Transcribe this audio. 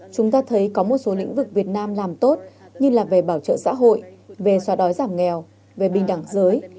chúng ta thấy có một số lĩnh vực việt nam làm tốt như là về bảo trợ xã hội về xóa đói giảm nghèo về bình đẳng giới